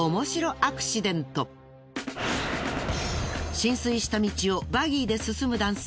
浸水した道をバギーで進む男性。